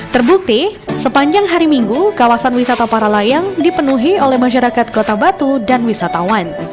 terbukti sepanjang hari minggu kawasan wisata para layang dipenuhi oleh masyarakat kota batu dan wisatawan